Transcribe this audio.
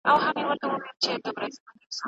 ده وویل چي پښتو زما د زړه غږ او د ژوند هیله ده.